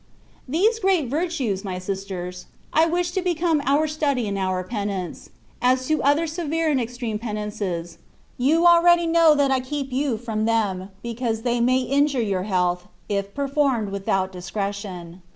These great virtues, my sisters, I wish to be come our study and our penance: as to other severe and excessive penances, you already know that I keep you from them, because they may injure your health, if performed without discre tion.